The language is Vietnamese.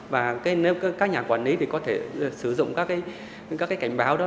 và nếu các nhà quản lý thì có thể sử dụng các cái cảnh báo đó